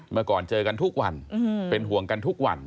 เมื่อก่อนเจอกันทุกวันเป็นห่วงกันทุกวัน